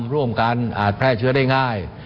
ร่วมกันอาจแพร่เชื้อได้ง่าย